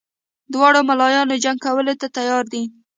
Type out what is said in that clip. دواړه ملایان جنګ کولو ته تیار دي.